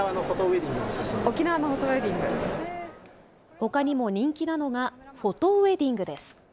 ほかにも人気なのがフォトウエディングです。